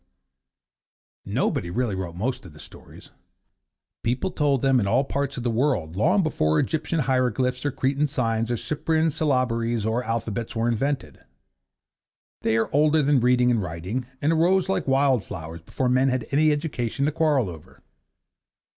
Nobody really wrote most of the stories. People told them in all parts of the world long before Egyptian hieroglyphics or Cretan signs or Cyprian syllabaries, or alphabets were invented. They are older than reading and writing, and arose like wild flowers before men had any education to quarrel over.